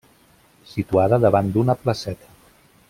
Situada davant d'una placeta.